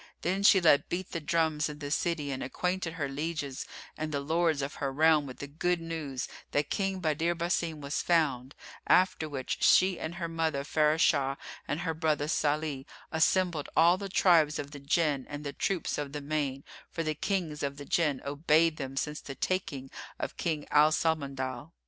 Then she let beat the drums in the city and acquainted her lieges and the lords of her realm with the good news that King Badr Basim was found; after which she and her mother Farashah and her brother Salih assembled all the tribes of the Jinn and the troops of the main; for the Kings of the Jinn obeyed them since the taking of King Al Samandal.